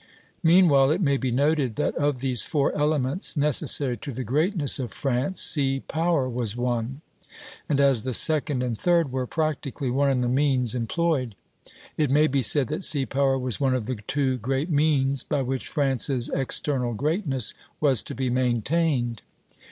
Meanwhile it may be noted that of these four elements necessary to the greatness of France, sea power was one; and as the second and third were practically one in the means employed, it may be said that sea power was one of the two great means by which France's external greatness was to be maintained.